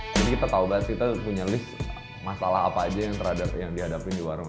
jadi kita tahu banget kita punya list masalah apa aja yang terhadap di warung